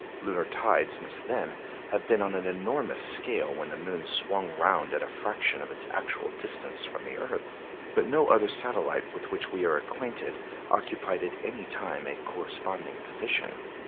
Lunar tides must then have been on an enormous scale when the moon swung round at a fraction of its actual distance from the earth. But no other satellite with which we are acquainted occupied at any time a corresponding position.